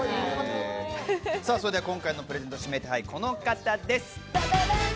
それでは今回のプレゼント指名手配、この方です。